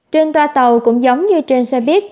trên toa tàu cũng giống như trên xe buýt